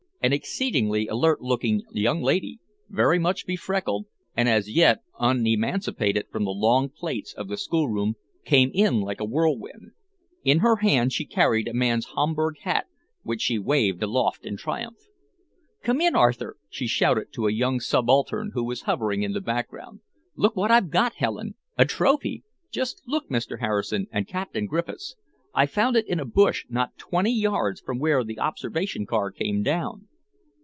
An exceedingly alert looking young lady, very much befreckled, and as yet unemancipated from the long plaits of the schoolroom, came in like a whirlwind. In her hand she carried a man's Homburg hat, which she waved aloft in triumph. "Come in, Arthur," she shouted to a young subaltern who was hovering in the background. "Look what I've got, Helen! A trophy! Just look, Mr. Harrison and Captain Griffiths! I found it in a bush, not twenty yards from where the observation car came down."